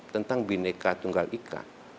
tentang bhinneka tunggal ika